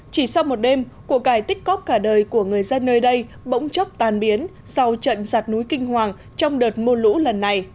chỉ sau một đêm cuộc cải tích cóp cả đời của người dân nơi đây bỗng chốc tàn biến sau trận giặt núi kinh hoàng trong đợt mô lũ lần này